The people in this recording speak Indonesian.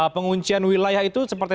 penguncian wilayah itu seperti